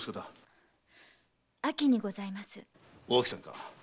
おあきさんか。